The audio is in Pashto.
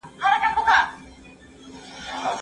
که خوله په ناروغۍ واوړي، قوي مواد کارول اړین دي.